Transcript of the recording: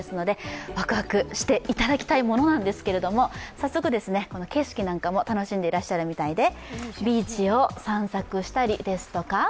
早速、景色なんかも楽しんでらっしゃるみたいです。